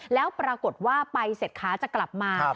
แล้วปรากฏว่าไปเสร็จขาจะกลับมา